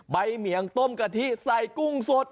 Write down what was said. เมียงต้มกะทิใส่กุ้งสด